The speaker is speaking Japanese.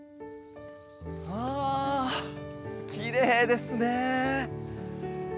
きれいですね。